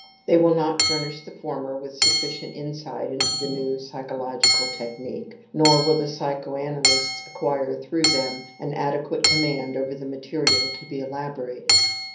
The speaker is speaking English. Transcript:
They will not furnish the former with sufficient insight into the new pyschological technique, nor will the pyschoanalysts acquire through them an adequate command over the material to be elaborated.